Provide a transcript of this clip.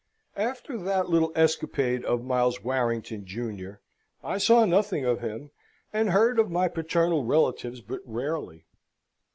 After that little escapade of Miles Warrington, junior, I saw nothing of him, and heard of my paternal relatives but rarely.